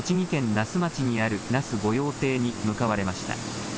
那須町にある那須御用邸に向かわれました。